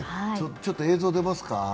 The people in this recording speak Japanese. ちょっと映像出ますか？